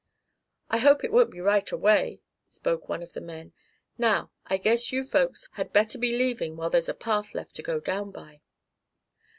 "I hope it won't be right away," spoke one of the men. "Now I guess you folks had better be leaving while there's a path left to go down by."